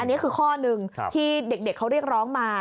อันนี้คือข้อหนึ่งที่เด็กเขาเรียกร้องมา